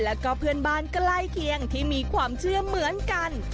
แล้วก็เพื่อนบ้านใกล้เคียงที่มีความเชื่อเหมือนกัน